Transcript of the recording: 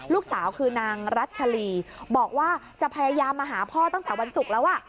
ลูกสาวคือนางรัชลีบอกว่าจะพยายามมาหาพ่อตั้งแต่วันศุกร์แล้ว